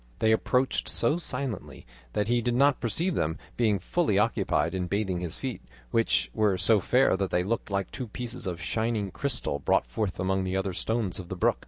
They approached so silently that he did not perceive them, being fully occupied in bathing his feet, which were so fair that they looked like two pieces of shining crystal brought forth among the other stones of the brook.